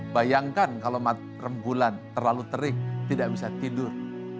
bayangkan kalau rem bulan terlalu terik tidak bisa tidur